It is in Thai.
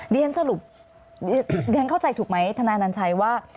เรียนสรุปเรียนเข้าใจถูกไหมทนายนัญชัยว่า